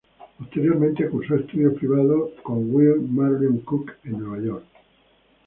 Posteriormente cursó estudios privados con Will Marion Cook en Nueva York.